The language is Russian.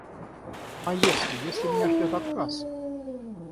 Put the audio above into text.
Ну, а если, если меня ждет отказ?...